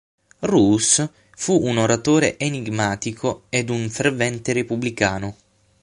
Roos fu un oratore enigmatico ed un fervente repubblicano.